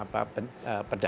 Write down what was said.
jadi itu adalah penyebabnya